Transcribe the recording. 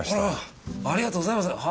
あらありがとうございます